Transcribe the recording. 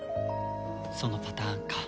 そのパターンか。